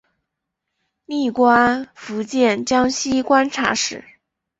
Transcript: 历官福建江西观察使。